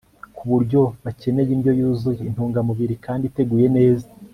ku buryo bakeneye indyo yuzuye intungamubiri kandi iteguye neza